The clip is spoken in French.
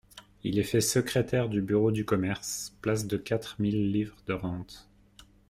Il est fait secrétaire du bureau du commerce, place de quatre mille livres de rente.